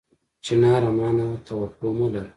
چناره! ما نه توقع مه لره